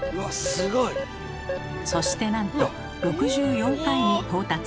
そしてなんと６４回に到達。